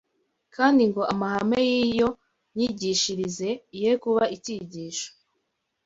kandi ngo amahame y’iyo myigishirize ye kuba icyigisho